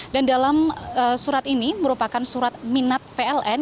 dan dalam surat ini merupakan surat minat pln